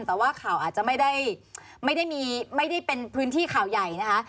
แต่ว่าข่าวอาจจะไม่ได้เป็นพื้นที่ข่าวใหญ่นะคะ